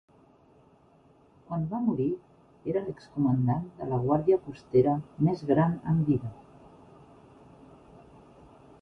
Quan va morir, era l'ex-comandant de la guàrdia costera més gran en vida.